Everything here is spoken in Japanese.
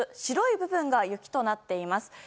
白い部分が雪となっています。